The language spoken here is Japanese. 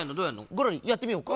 ゴロリやってみようか？